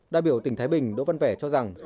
đại biểu tỉnh thái bình đỗ văn vẻ cho rằng